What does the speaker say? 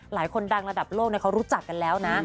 หลายคนดังระดับโลกเขารู้จักกันแล้วนะ